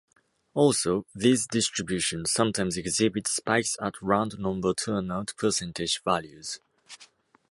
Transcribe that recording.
Also, these distributions sometimes exhibit spikes at round-number turnout percentage values.